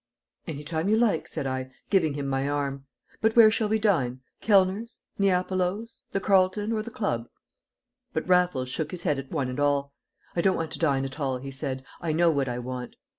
"Any time you like," said I, giving him my arm. "But where shall we dine? Kellner's? Neapolo's? The Carlton or the Club?" But Raffles shook his head at one and all. "I don't want to dine at all," he said. "I know what I want!"